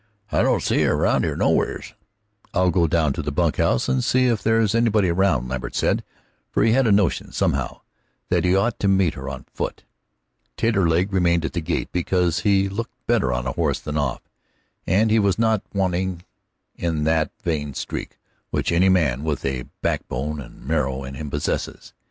"I don't see her around here nowheres." "I'll go down to the bunkhouse and see if there's anybody around," Lambert said, for he had a notion, somehow, that he ought to meet her on foot. Taterleg remained at the gate, because he looked better on a horse than off, and he was not wanting in that vain streak which any man with a backbone and marrow in him possesses.